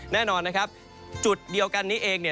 แน่นอนจุดเดียวกันนี้เอง